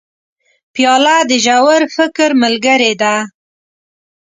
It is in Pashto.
پیاله د ژور فکر ملګرې ده.